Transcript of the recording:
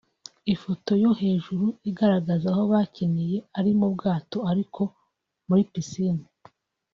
Ifoto yo hejuru igaragaza aho bakiniye ari mu bwato ariko muri piscine